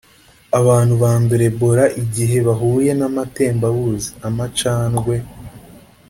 Abantu bandura Ebola igihe bahuye n’amatembabuzi (amacandwe